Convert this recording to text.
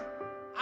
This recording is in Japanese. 「あ！」